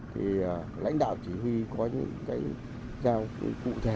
thì lãnh đạo chỉ huy có những cái giao cụ thể